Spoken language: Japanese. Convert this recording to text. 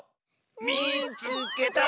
「みいつけた！」。